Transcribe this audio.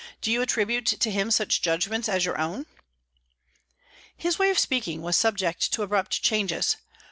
Do you attribute to him such judgments as your own?" His way of speaking was subject to abrupt changes.